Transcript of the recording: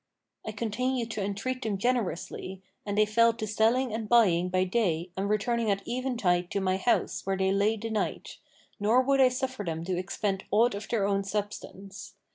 I continued to entreat them generously, and they fell to selling and buying by day and returning at even tide to my house where they lay the night; nor would I suffer them to expend aught of their own substance.